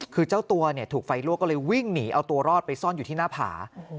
คือเจ้าตัวถูกไฟลวกก็เลยวิ่งหนีเอาตัวรอดไปซ่อนอยู่ที่หน้าผา